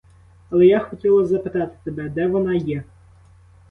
Але я хотіла запитати тебе, де вона є?